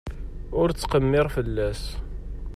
Ur ttqemmir fell-as.